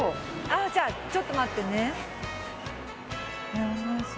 じゃあちょっと待ってね。